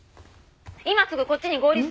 「今すぐこっちに合流」